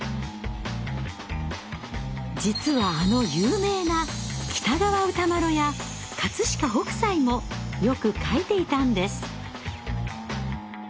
実はあの有名な喜多川歌麿や飾北斎もよく描いていたんです。